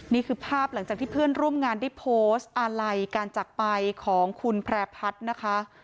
นี่คือภาพหลังจากที่เพื่อนร่วมงานได้โพสต์อาลัยการจักรไปของคุณแพร่พัฒน์นะคะ